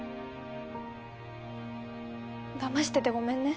だましててごめんね。